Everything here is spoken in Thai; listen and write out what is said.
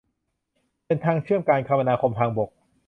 เป็นทางเชื่อมการคมนาคมทางบก